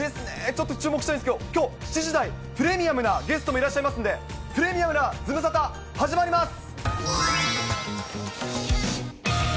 ちょっと注目したんですけれども、きょう７時台、プレミアムなゲストもいらっしゃいますので、プレミアムなズムサタ始まります。